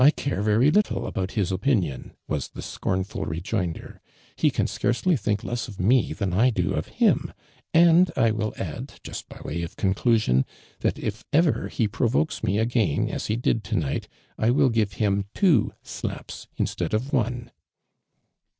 1 care very little about his opinion," was tho scornful rejoinder, '• He can scarce ly think less of me than I do of him : and, I will add, just by way of conclusion, that if ever he provokes me again as he did to uight, I will give him two slaps in stead of one